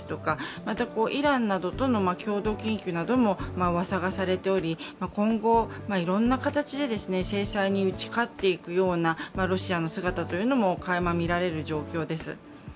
また、イランなどとの共同研究などもうわさがされており今後、いろんな形で制裁に打ち勝っていくようなロシアの姿というのもかいま見られる状況です。